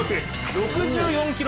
６４キロ